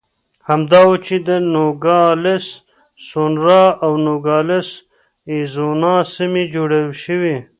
همدا و چې د نوګالس سونورا او نوګالس اریزونا سیمې جوړې شوې.